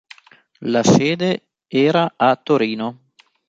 La sede era a Torino.